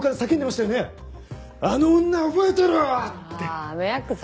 あああのヤクザ。